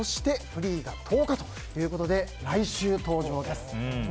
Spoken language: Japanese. フリーが１０日ということで来週登場です。